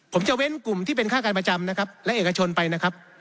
ผมจะเว้นกลุ่มที่เป็นค่าการประจำนะครับและเอกชนไปนะครับ